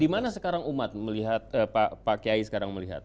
gimana sekarang umat melihat pak kiai sekarang melihat